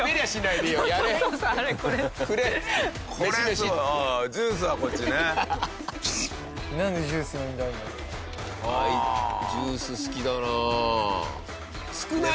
いとう：ジュース、好きだな。